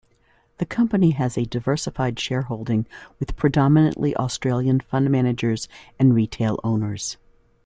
The company has a diversified shareholding with predominantly Australian fund managers and retail owners.